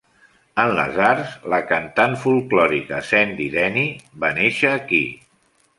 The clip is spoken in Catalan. En les arts, la cantant folklòrica Sandy Denny va néixer aquí.